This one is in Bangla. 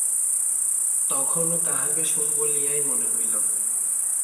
তখনো তাহাকে সুর বলিয়াই মনে হইল।